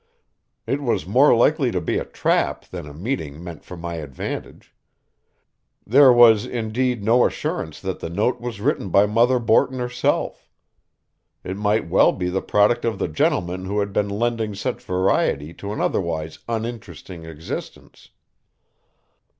It was more likely to be a trap than a meeting meant for my advantage. There was, indeed, no assurance that the note was written by Mother Borton herself. It might well be the product of the gentlemen who had been lending such variety to an otherwise uninteresting existence.